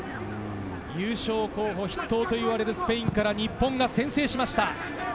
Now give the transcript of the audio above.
優勝候補筆頭といわれるスペインから日本が先制しました。